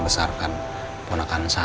mbak sarah bisa ini